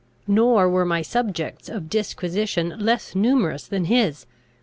Nor were my subjects of disquisition less numerous than his.